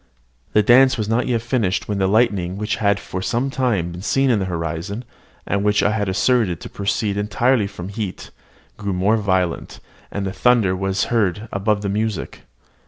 The dance was not yet finished when the lightning which had for some time been seen in the horizon, and which I had asserted to proceed entirely from heat, grew more violent; and the thunder was heard above the music.